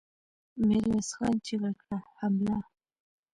ميرويس خان چيغه کړه! حمله!